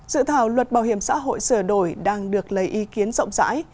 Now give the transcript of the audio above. dự thảo luật bảo hiểm xã hội sửa đổi đang được lấy ý kiến rộng rãi